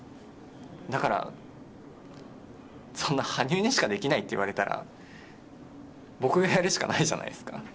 だから、そんな羽生しかできないって言われたら僕がやるしかないじゃないですか。